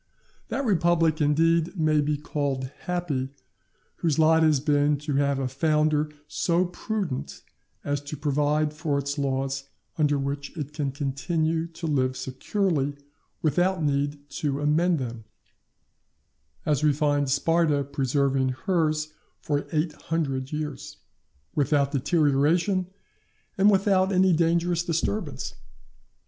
That republic, indeed, may be called happy, whose lot has been to have a founder so prudent as to provide for it laws under which it can continue to live securely, without need to amend them; as we find Sparta preserving hers for eight hundred years, without deterioration and without any dangerous disturbance.